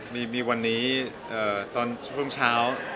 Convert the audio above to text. มีวันนี้ตอนรุ่งเช้า